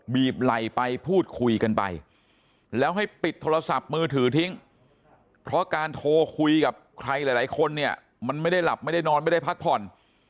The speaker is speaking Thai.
บีบไหล่ไปพูดคุยกันไปแล้วให้ปิดโทรศัพท์มือถือทิ้งเพราะการโทรคุยกับใครหลายคนเนี่ยมันไม่ได้หลับไม่ได้นอนไม่ได้พักผ่อน